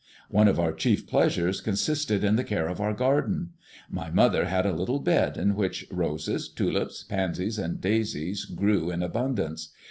One of our chief pleasures consisted in the care of our garden. My mother had a little bed in which roses, tulips, pansies, and daisies grew in abundance.